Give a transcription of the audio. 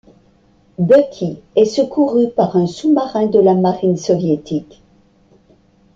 Bucky est secouru par un sous-marin de la marine soviétique.